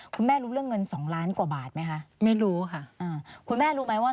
รู้เรื่องเงินสองล้านกว่าบาทไหมคะไม่รู้ค่ะอ่าคุณแม่รู้ไหมว่า